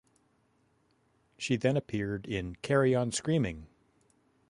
She then appeared in Carry On Screaming!